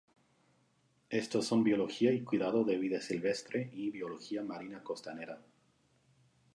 Estos son Biología y Cuidado de Vida Silvestre y Biología Marina Costanera.